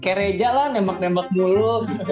kaya reja lah nembak nembak mulu